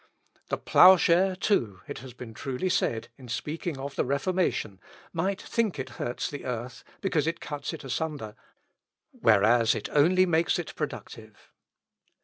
"The ploughshare, too," it has been truly said, in speaking of the Reformation, "might think it hurts the earth, because it cuts it asunder, whereas it only makes it productive."